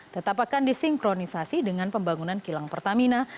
tetap akan disinkronisasi dengan pembangunan kilang pertamina